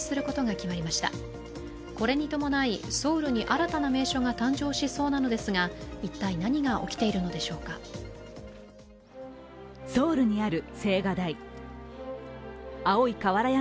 これに伴い、ソウルに新たな名所が誕生しそうなのですが一体、何が起きているのでしょうかソウルにある青瓦台。